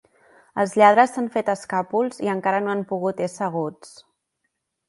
Els lladres s'han fet escàpols i encara no han pogut ésser haguts.